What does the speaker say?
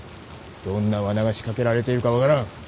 どんな罠が仕掛けられているか分からん。